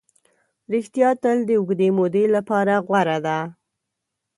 ریښتیا تل د اوږدې مودې لپاره غوره ده.